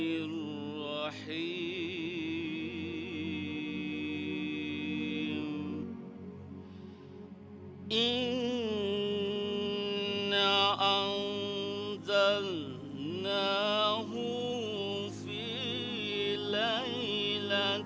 kepada hasan ahmad kami persilakan